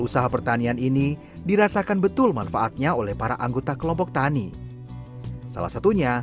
usaha pertanian ini dirasakan betul manfaatnya oleh para anggota kelompok tani salah satunya